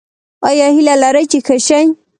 ایا هیله لرئ چې ښه شئ؟